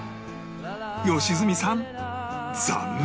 良純さん残念！